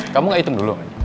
kamu gak hitung dulu